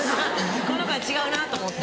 この子は違うなと思って。